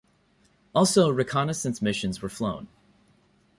Also reconnaissance missions were flown.